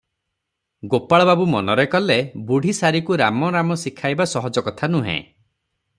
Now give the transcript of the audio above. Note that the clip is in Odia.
ଗୋପାଳବାବୁ ମନରେ କଲେ - ବୁଢ଼ୀ ଶାରୀକୁ ରାମ ରାମ ଶଖାଇବା ସହଜ କଥା ନୁହେ ।